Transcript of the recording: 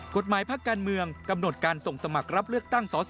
กฎหมายพักการเมืองกำหนดการส่งสมัครรับเลือกตั้งสอ